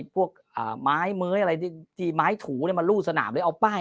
พวกไม้เม้ยอะไรที่ไม้ถูมารูดสนามเลยเอาป้าย